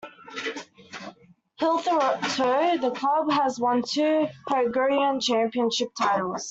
Hitherto, the club has won two Paraguayan championship titles.